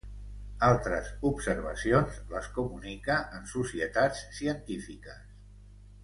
Altres observacions les comunica en societats científiques.